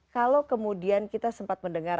kalau kemudian kita sempat mendengar